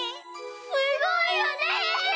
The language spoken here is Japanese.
すごいよね！